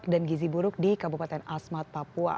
kepak dan gizi buruk di kabupaten asmat papua